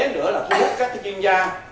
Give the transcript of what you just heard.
nữa là thu hút các chuyên gia